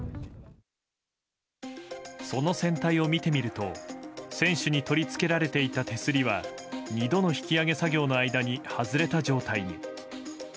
その船体を見てみると船首に取り付けられていた手すりは２度の引き揚げ作業の間に外れた状態に。